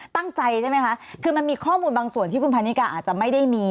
ตั้งใจใช่ไหมคะคือมันมีข้อมูลบางส่วนที่คุณพันนิกาอาจจะไม่ได้มี